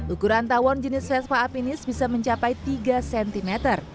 ukuran tawon jenis vespa afinis bisa mencapai tiga cm